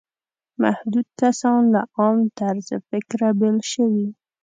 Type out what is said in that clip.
محدود کسان له عام طرز فکره بېل شوي.